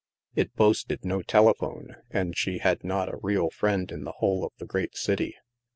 It boasted no telephone, and she had not a real friend in the whole of the great city.